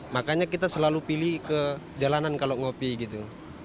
makanya kita selalu pilih ke jalanan kalau ngopi gitu